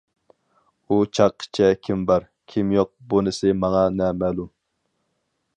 ئۇ چاغقىچە كىم بار، كىم يوق بۇنىسى ماڭا نامەلۇم.